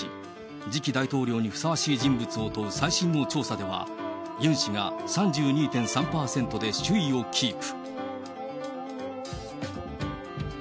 次期大統領にふさわしい人物をとう最新の調査では、ユン氏が３２．３％で首位をキープ。